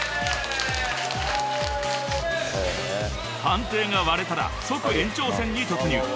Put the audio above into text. ［判定が割れたら即延長戦に突入］